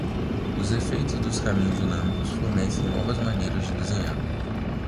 Os efeitos dos caminhos dinâmicos fornecem novas maneiras de desenhar.